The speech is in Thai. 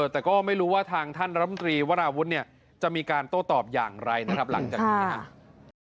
แต่ก็ไม่รู้ว่าทางท่านรัฐมนตรีวราวุธจะมีการโต้ตอบอย่างไรหลังจากนี้